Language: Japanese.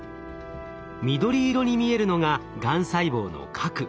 緑色に見えるのががん細胞の核。